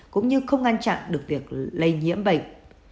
cũng như không ngăn chặn được việc lây nhiễm bệnh